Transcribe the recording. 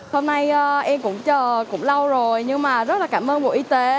hôm nay em cũng chờ cũng lâu rồi nhưng mà rất là cảm ơn bộ y tế